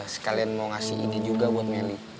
sekalian mau ngasih ini juga buat melly